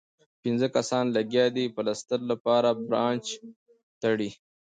پنځۀ کسان لګيا دي پلستر لپاره پرانچ تړي